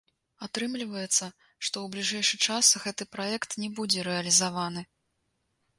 Атрымліваецца, што ў бліжэйшы час гэты праект не будзе рэалізаваны.